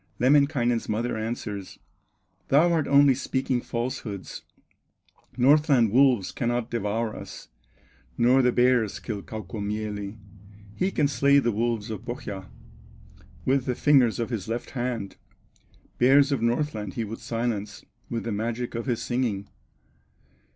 Lemminkainen's mother answers: "Thou art only speaking falsehoods, Northland wolves cannot devour us, Nor the bears kill Kaukomieli; He can slay the wolves of Pohya With the fingers of his left hand; Bears of Northland he would silence With the magic of his singing.